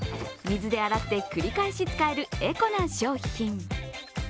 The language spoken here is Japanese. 水で洗って繰り返し使えるエコな商品。